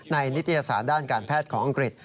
ในนิทยาศาสตร์ด้านการแพทย์ของอังกฤษ